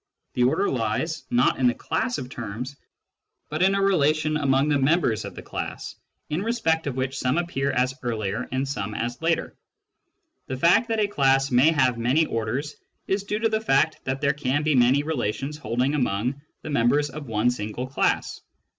The order lies, not in the class of terms, but in a relation among The Definition of Order 3 1 the members of the class, in respect of which some appear as earlier and some as later. The fact that a class may have many orders is due to the fact that there can be many relations holding among the members of one single class.